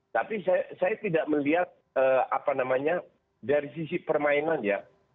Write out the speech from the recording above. tapi saya tidak melihat apa namanya dari sisi permainan ya